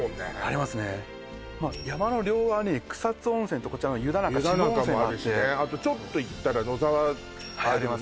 まっ山の両側に草津温泉とこちらの湯田中渋温泉があってあとちょっと行ったら野沢はいあります